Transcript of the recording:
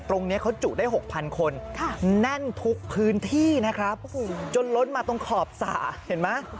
ตรงนี้เขาจุได้๖๐๐คนแน่นทุกพื้นที่นะครับจนล้นมาตรงขอบสระเห็นไหม